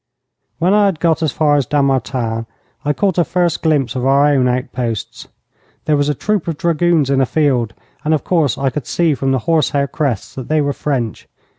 When I had got as far as Dammartin I caught a first glimpse of our own outposts. There was a troop of dragoons in a field, and of course I could see from the horsehair crests that they were French.